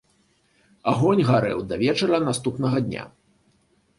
Агонь гарэў да вечара наступнага дня.